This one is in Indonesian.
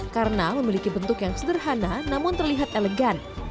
karena memiliki bentuk yang sederhana namun terlihat elegan